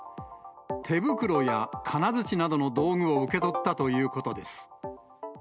手袋や金づちなどの道具を受け取ったということです。